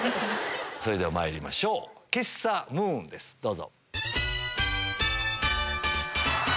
それではまいりましょう喫茶ムーンですどうぞ。